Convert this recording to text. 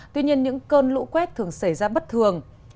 tuy nhiên những cơn lũ quét thường xảy ra bất thường